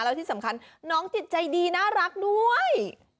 แล้วที่สำคัญน้องจิตใจดีน่ารักด้วย